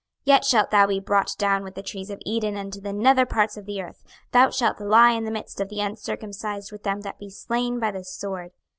yet shalt thou be brought down with the trees of Eden unto the nether parts of the earth: thou shalt lie in the midst of the uncircumcised with them that be slain by the sword.